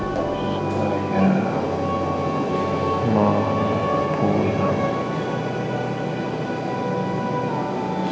aku juga kangen kok mas kamu pulang ke rumah